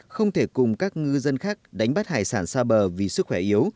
không thể cùng các ngư dân khác đánh bắt hải sản xa bờ vì sức khỏe yếu